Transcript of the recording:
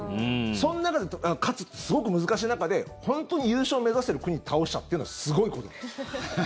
その中で勝つってすごく難しい中で本当に優勝を目指している国倒したというのはすごいことです。